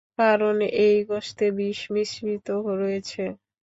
কারণ এই গোস্তে বিষ মিশ্রিত রয়েছে।